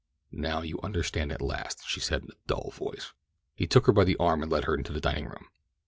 "Now you understand at last," she said in a dull voice. He took her by the arm and led her into the dining room.